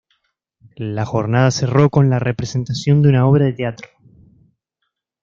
La jornada cerró con la representación de una obra de teatro.